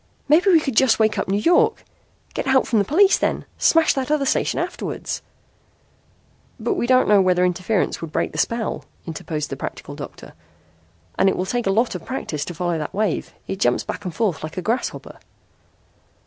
"Maybe we could just wake up New York. Get help from the police then! Smash that other station afterwards!" "But we don't know whether interference would break the spell," interposed the practical doctor. "And it will take a lot of practise to follow that wave. It jumps back and forth like a grasshopper."